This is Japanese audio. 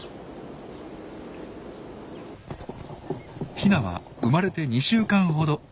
ヒナは生まれて２週間ほど。